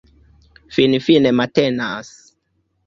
Finfine matenas.